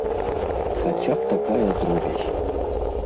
Хаця б такая дробязь!